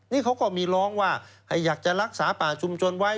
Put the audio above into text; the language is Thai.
นี่เขาก็มีร้องว่าให้อยากจะรักษาป่าชุมชนไว้